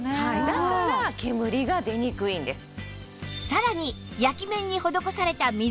だから煙が出にくいんです。